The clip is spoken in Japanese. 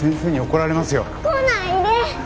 来ないで！